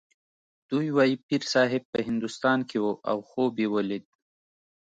دوی وايي پیرصاحب په هندوستان کې و او خوب یې ولید.